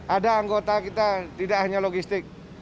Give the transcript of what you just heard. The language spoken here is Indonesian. ada anggota kita tidak hanya logistik